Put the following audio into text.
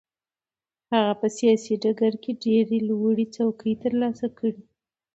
هغه په سیاسي ډګر کې ډېرې لوړې څوکې ترلاسه کړې.